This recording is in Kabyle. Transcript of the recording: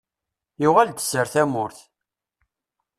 Yuɣal-d sser tamurt!